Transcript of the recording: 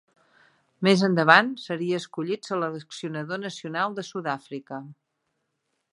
Més endavant seria escollit seleccionador nacional de Sud-àfrica.